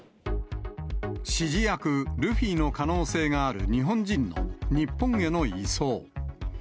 指示役、ルフィの可能性がある日本人の日本への移送。